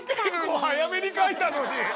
結構早めに書いたのに。